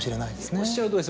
おっしゃるとおりです。